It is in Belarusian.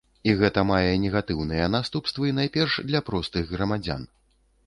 І гэта мае негатыўныя наступствы найперш для простых грамадзян.